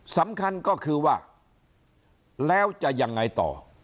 สำคัญก็คือว่าแล้วจะยังไงต่อ